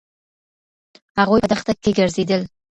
هغوی په دښته کې ګرځېدل.